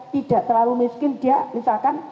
tidak terlalu miskin dia misalkan